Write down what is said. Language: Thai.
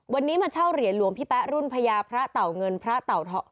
วันนี้มาเช่าเหรียญหลวงพี่แป๊ะรุ่นพญาพระเต่าเงินพระเต่าทอง